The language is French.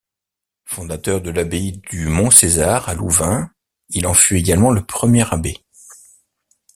Fondateur de l'abbaye du Mont-César à Louvain, il en fut également le premier abbé.